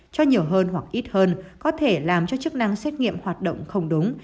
cho nhiều hơn hoặc ít hơn có thể làm cho chức năng xét nghiệm hoạt động không đúng